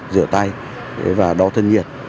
rửa tay và đo thân nhiệt